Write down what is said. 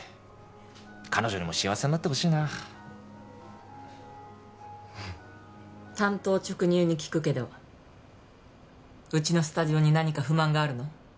はい彼女にも幸せになってほしいな単刀直入に聞くけどうちのスタジオに何か不満があるの？